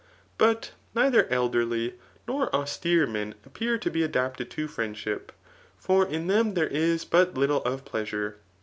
But neither elderly nor austere men appear to be adapted to friendship ; for in them there is but little of pleasure.